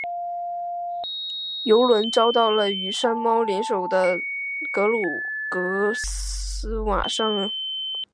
油轮遭到了与山猫联手的格鲁格维奇上校为首的俄国武装部队的劫持。